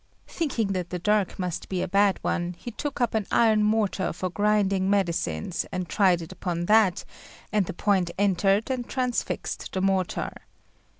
Thinking that the dirk must be a bad one, he took up an iron mortar for grinding medicines and tried it upon that, and the point entered and transfixed the mortar.